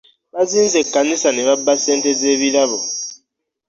Bazinze kkanisa ne babba ssente z'ebirabo.